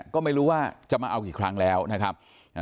ก็ไม่รู้ว่าจะมาเอากี่ครั้งแล้วนะครับ